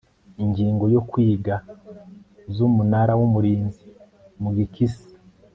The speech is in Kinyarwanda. ingingo zo kwigwa z Umunara w Umurinzi mu gikisi